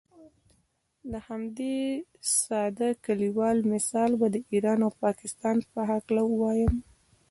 د همدې ساده کلیوال مثال به د ایران او پاکستان په هکله ووایم.